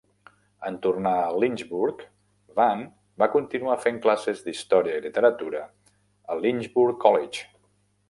En tornar a Lynchburg, Van va continuar fent classes d'història i literatura a Lynchburg College.